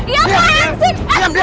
iya pak yana